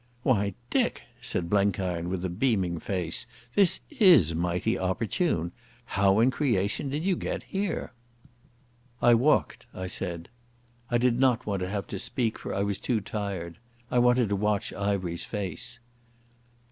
"Why, Dick," said Blenkiron with a beaming face, "this is mighty opportune. How in creation did you get here?" "I walked," I said. I did not want to have to speak, for I was too tired. I wanted to watch Ivery's face.